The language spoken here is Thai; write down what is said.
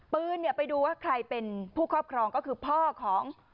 ไปดูว่าใครเป็นผู้ครอบครองก็คือพ่อของ